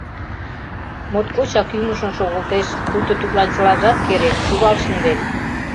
Моткочак ӱҥышын шогылтеш, пуйто тудлан чылажат керек, шӱвал шынден.